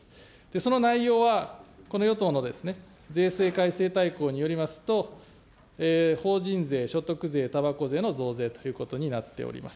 その内容は、この与党の税制改正大綱によりますと、法人税、所得税、たばこ税の増税ということになっております。